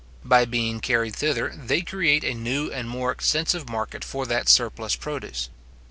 By being carried thither, they create a new and more extensive market for that surplus produce.